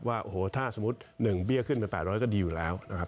ว่าโอ้โหถ้าสมมุติ๑เบี้ยขึ้นไป๘๐๐ก็ดีอยู่แล้วนะครับ